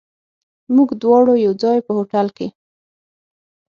موږ دواړه یو ځای، په هوټل کې.